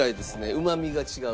うまみが違う。